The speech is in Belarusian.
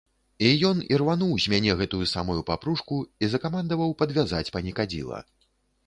І ён ірвануў з мяне гэтую самую папружку і закамандаваў падвязаць панікадзіла.